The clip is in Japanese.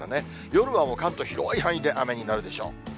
夜はもう、関東、広い範囲で雨になるでしょう。